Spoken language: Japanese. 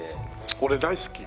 俺大好き。